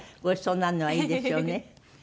ごちそうになるのはいいですよね。